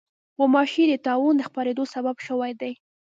غوماشې د طاعون د خپرېدو سبب شوې دي.